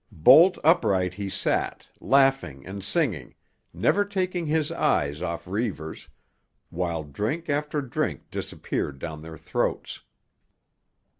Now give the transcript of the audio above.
Bolt upright he sat, laughing and singing, never taking his eyes off Reivers, while drink after drink disappeared down their throats.